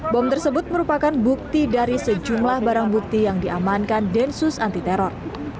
bom tersebut merupakan bukti dari sejumlah barang bukti yang diamankan densus anti teror